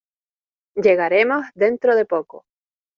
Llegaremos dentro de poco.